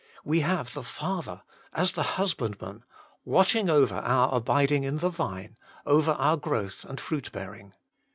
We have the Father, as the Husbandman, watching over our abiding in the Vine, over our growth and fruitbearing.